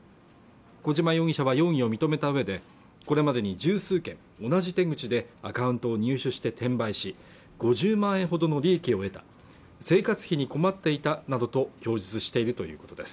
児島容疑者は容疑を認めた上でこれまでに十数件同じ手口でアカウントを入手して転売し５０万円ほどの利益を得た生活費に困っていたなどと供述しているということです